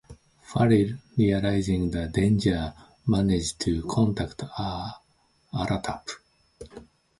Farrill, realizing the danger, manages to contact Aratap.